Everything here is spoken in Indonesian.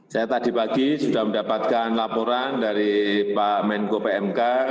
saya tadi pagi sudah mendapatkan laporan yang berkaitan dengan program jaring pengaman sosial